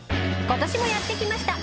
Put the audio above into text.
今年もやって来ました。